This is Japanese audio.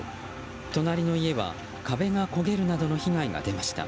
隣の家は、壁が焦げるなどの被害が出ました。